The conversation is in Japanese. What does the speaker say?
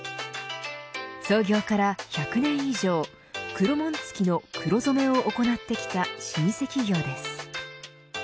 創業から１００年以上黒紋付の黒染めを行ってきた老舗企業です。